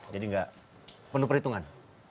jadi tidak penuh perhitungan